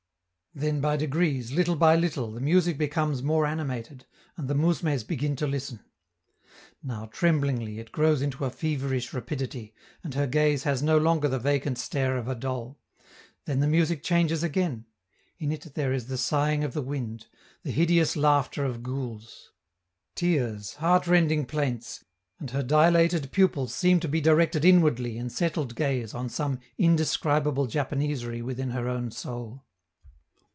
Then by degrees, little by little, the music becomes more animated, and the mousmes begin to listen. Now, tremblingly, it grows into a feverish rapidity, and her gaze has no longer the vacant stare of a doll. Then the music changes again; in it there is the sighing of the wind, the hideous laughter of ghouls; tears, heartrending plaints, and her dilated pupils seem to be directed inwardly in settled gaze on some indescribable Japanesery within her own soul.